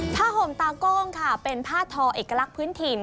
ห่มตาโก้งค่ะเป็นผ้าทอเอกลักษณ์พื้นถิ่น